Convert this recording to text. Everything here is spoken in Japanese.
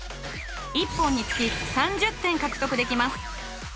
１本につき３０点獲得できます。